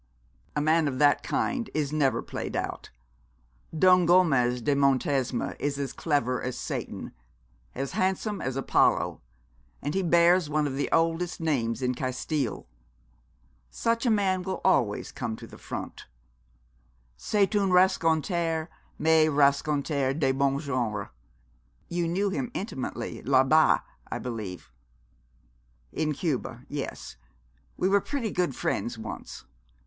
'A man of that kind is never played out. Don Gomez de Montesma is as clever as Satan, as handsome as Apollo, and he bears one of the oldest names in Castile. Such a man will always come to the front. C'est un rastaquouère mais rastaquouère de bon genre. You knew him intimately là bas, I believe?' 'In Cuba; yes, we were pretty good friends once.'